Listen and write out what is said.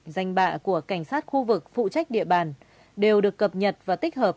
danh bạ của cảnh sát khu vực phụ trách địa bàn đều được cập nhật và tích hợp